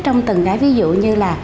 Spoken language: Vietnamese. trong từng cái ví dụ như là